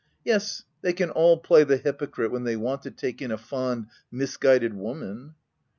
— Yes, they can all play the hy pocrite when they want to take in a fond, mis guided woman !"